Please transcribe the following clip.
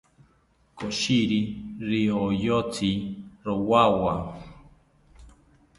Koshiri rioyotsi rowawo